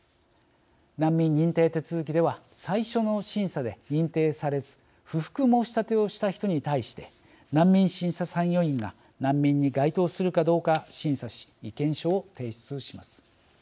難民認定手続きでは最初の審査で認定されず不服申し立てをした人に対して難民審査参与員が難民に該当するかどうか審査し意見書を提出します。